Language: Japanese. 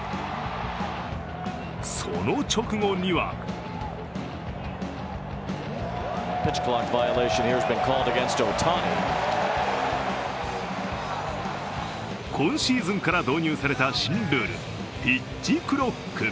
その直後には今シーズンから導入された新ルール、ピッチクロック。